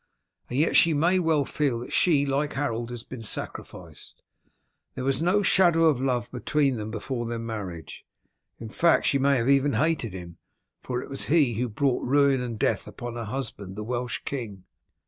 And yet she may well feel that she, like Harold, has been sacrificed. There was no shadow of love between them before their marriage, in fact she may even have hated him, for it was he who brought ruin and death upon her husband, the Welsh king.